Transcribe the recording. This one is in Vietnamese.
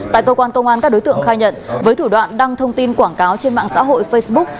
tại cơ quan công an các đối tượng khai nhận với thủ đoạn đăng thông tin quảng cáo trên mạng xã hội facebook